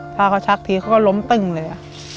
ถ้าเขาชักทีก็หลมตึงเลย